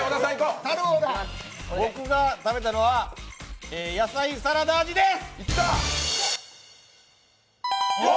僕が食べたのはやさいサラダ味です。